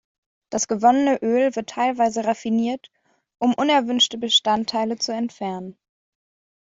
Das gewonnene Öl wird teilweise raffiniert, um unerwünschte Bestandteile zu entfernen.